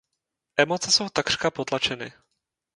Emoce jsou takřka potlačeny.